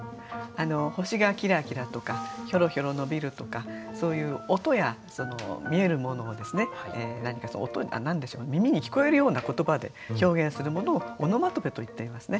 「星がきらきら」とか「ひょろひょろ伸びる」とかそういう音や見えるものを何か耳に聞こえるような言葉で表現するものをオノマトペといっていますね。